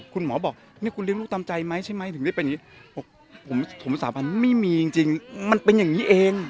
คุณหมอบอกนี่คุณเลี้ยงลูกตามใจไหมถึงได้เป็นอย่างนี้